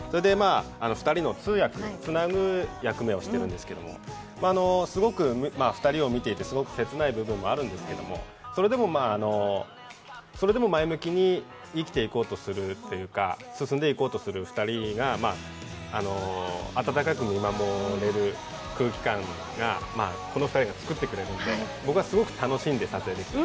２人の通訳、つなぐ役目をしてるんですけれども、２人を見ていてすごく切ない部分もあるんですけど、それでも前向きに生きていこうとするというか、進んでいこうとする２人が温かく見守れる空気感をこの２人が作ってくれるんで僕はすごく楽しんで撮影できた。